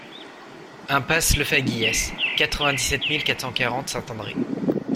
Impasse Lefaguyès, quatre-vingt-dix-sept mille quatre cent quarante Saint-André